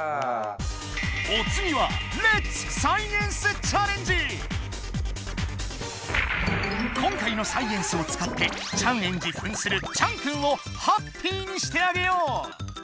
おつぎは今回のサイエンスをつかってチャンエンジふんする「チャンくん」をハッピーにしてあげよう！